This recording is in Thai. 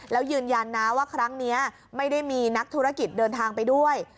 แล้วยืนยันนะว่าครั้งนี้ไม่ได้มีนักธุรกิจเดินทางไปด้วย